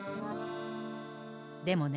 でもね